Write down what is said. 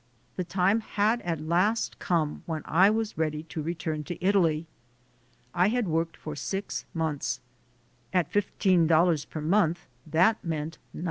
The time had at last come when I was ready to return to Italy. I had worked for six months: at $15 per month that meant $90.